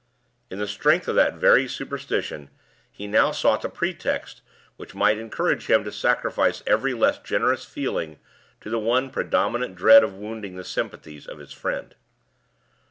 In the strength of that very superstition, he now sought the pretext which might encourage him to sacrifice every less generous feeling to the one predominant dread of wounding the sympathies of his friend.